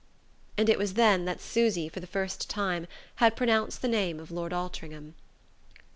And it was then that Susy, for the first time, had pronounced the name of Lord Altringham.